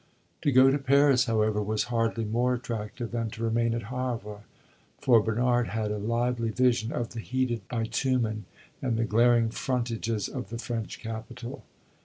To go to Paris, however, was hardly more attractive than to remain at Havre, for Bernard had a lively vision of the heated bitumen and the glaring frontages of the French capital.